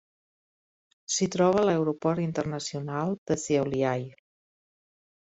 S'hi troba l'Aeroport Internacional de Šiauliai.